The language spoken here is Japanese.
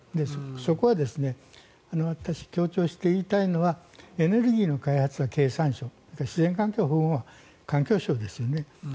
そこは私、強調して言いたいのはエネルギーの開発は経産省それから自然環境保護は環境省ですよね。